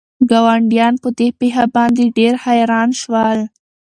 ګاونډیان په دې پېښه باندې ډېر حیران شول.